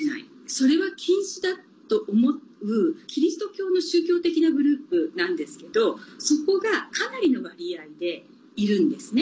それは禁止だと思うキリスト教の宗教的なグループなんですけどそこがかなりの割合でいるんですね。